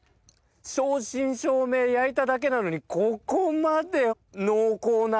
正真正銘焼いただけなのにここまで濃厚な味！